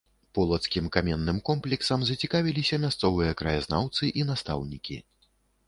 Полацкім каменным комплексам зацікавіліся мясцовыя краязнаўцы і настаўнікі.